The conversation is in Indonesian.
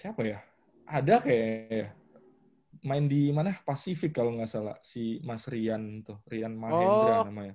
siapa ya ada kayak main di mana pasifik kalau nggak salah si mas rian tuh rian mahendra namanya